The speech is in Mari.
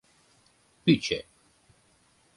Пӱчӧ: